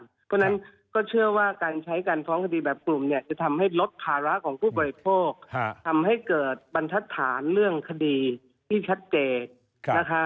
เพราะฉะนั้นก็เชื่อว่าการใช้การฟ้องคดีแบบกลุ่มเนี่ยจะทำให้ลดภาระของผู้บริโภคทำให้เกิดบรรทัศนเรื่องคดีที่ชัดเจนนะคะ